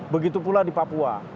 begitu pula di papua